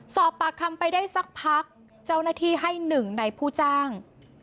สอบปากคำไปได้สักพักเจ้าหน้าที่ให้หนึ่งในผู้จ้าง